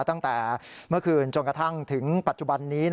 ตั้งแต่เมื่อคืนจนกระทั่งถึงปัจจุบันนี้